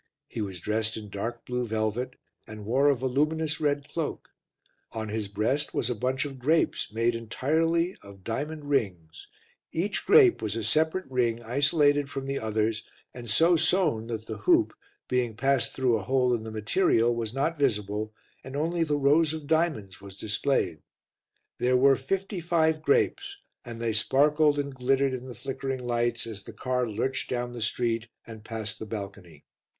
He was dressed in dark blue velvet, and wore a voluminous red cloak. On his breast was a bunch of grapes, made entirely of diamond rings; each grape was a separate ring isolated from the others and so sewn on that the hoop, being passed through a hole in the material, was not visible, and only the rose of diamonds was displayed. There were fifty five grapes, and they sparkled and glittered in the flickering lights as the car lurched down the street and passed the balcony.